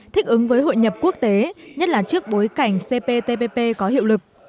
thích ứng với hội nhập quốc tế nhất là trước bối cảnh cptpp có hiệu lực